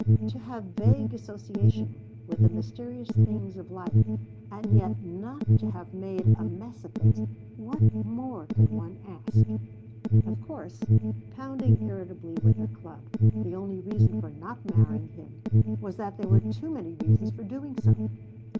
To have vague association with the mysterious things of life, and yet not to have "made a mess of things" what more could one ask? Of course, pounding irritably with her club, the only reason for not marrying him was that there were too many reasons for doing so.